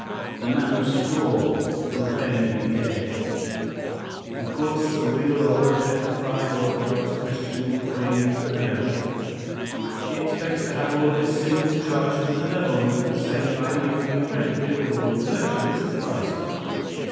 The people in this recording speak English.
The man of straw will then be dead. Of course, the real old petrified, orthodox Christian will cling to the Devil. He expects to have all of his sins charged to the Devil, and at the same time he will be credited with all the virtues of Christ.